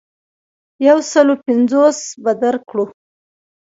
یو سلو پنځوس به درکړو.